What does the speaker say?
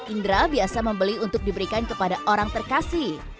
indra biasa membeli untuk diberikan kepada orang terkasih